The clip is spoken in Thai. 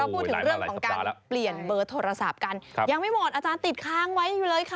พูดถึงเรื่องของการเปลี่ยนเบอร์โทรศัพท์กันยังไม่หมดอาจารย์ติดค้างไว้อยู่เลยค่ะ